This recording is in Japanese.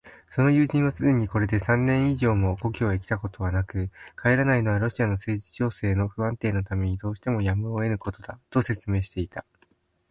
その友人はすでにこれで三年以上も故郷へきたことはなく、帰らないのはロシアの政治情勢の不安定のためにどうしてもやむをえぬことだ、と説明していた。